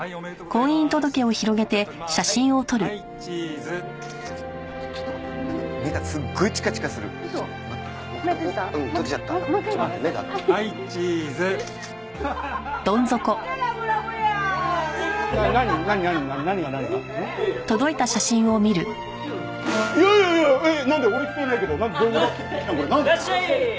いらっしゃい！